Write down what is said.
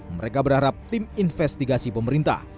mereka berharap tim investigasi pemerintah